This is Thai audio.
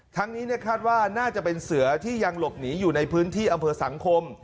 นี้คาดว่าน่าจะเป็นเสือที่ยังหลบหนีอยู่ในพื้นที่อำเภอสังคม